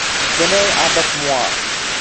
Venez avec moi !